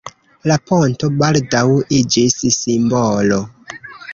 La ponto baldaŭ iĝis simbolo.